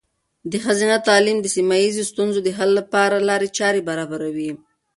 د ښځینه تعلیم د سیمه ایزې ستونزو د حل لپاره لارې چارې برابروي.